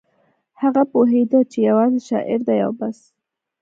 هغه پوهېده چې یوازې شاعر دی او بس